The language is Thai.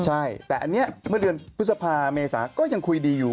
ใช่แต่อันนี้เมื่อเดือนพฤษภาเมษาก็ยังคุยดีอยู่